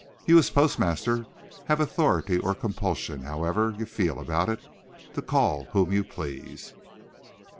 You, as postmaster, have authority or compulsion however you feel about it to call whom you please.